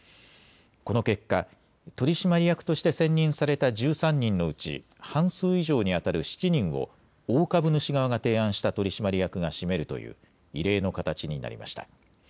この結果、取締役として選任された１３人のうち半数以上にあたる７人を大株主側が提案した取締役が占めるという異例の形になりました。